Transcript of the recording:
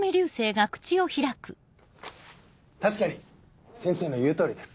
確かに先生の言う通りです。